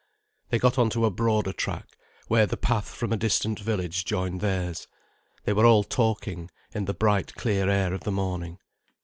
They got on to a broader track, where the path from a distant village joined theirs. They were all talking, in the bright clear air of the morning.